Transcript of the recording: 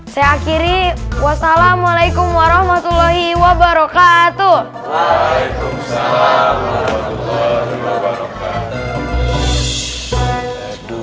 saya akhiri wassalamualaikum warahmatullahi wabarakatuh waalaikumsalam warahmatullahi wabarakatuh